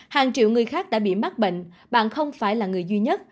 hàng triệu người khác đã bị mắc bệnh bạn không phải là người duy nhất